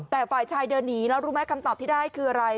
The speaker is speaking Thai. แต่ฝ่ายชายเดินหนีแล้วรู้ไหมคำตอบที่ได้คืออะไร